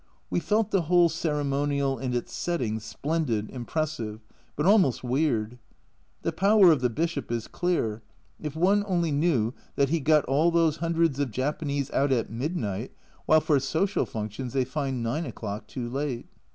We felt the whole ceremonial and its setting splendid, impres sive, but almost weird. The power of the Bishop is clear, if one only knew that he got all those hundreds of Japanese out at midnight, while for social functions they find 9 o'clock too late.